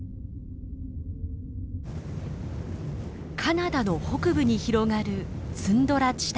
カナダの北部に広がるツンドラ地帯。